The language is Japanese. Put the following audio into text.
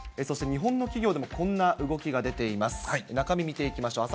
そして日本の企業でもこんな動きが出ています。